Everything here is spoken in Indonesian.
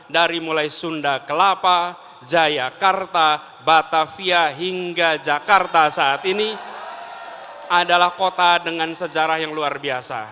dari mulai sunda kelapa jayakarta batavia hingga jakarta saat ini adalah kota dengan sejarah yang luar biasa